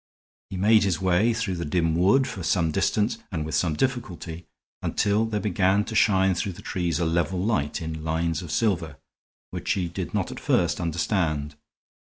He made his way through the dim wood for some distance and with some difficulty, until there began to shine through the trees a level light, in lines of silver, which he did not at first understand.